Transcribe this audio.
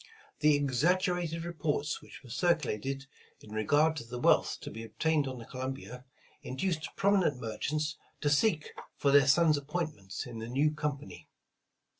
The exaggerated reports which were circulated in regard to the wealth to be obtained on the Columbia, in duced prominent merchants to seek for their sons ap pointments in the new company.